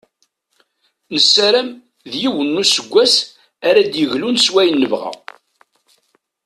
Nessaram d yiwen n useggas ara d-yeglun s wayen nebɣa.